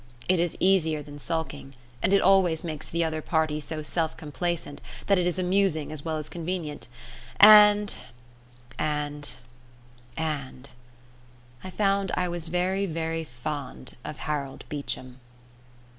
It is easier than sulking, and it always makes the other party so self complacent that it is amusing as well as convenient, and and and I found I was very, very fond of Harold Beecham.